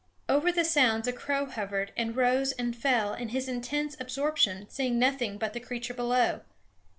Over the sounds a crow hovered and rose and fell, in his intense absorption seeing nothing but the creature below.